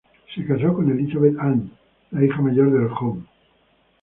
Se casó con Elizabeth Anne, la hija mayor del Hon.